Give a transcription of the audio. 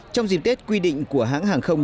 trong dịp tết quy định của hãng hàng không